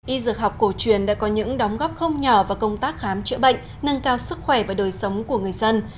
y dược học cổ truyền đã có những đóng góp không nhỏ vào công tác khám chữa bệnh nâng cao sức khỏe và đời sống của người dân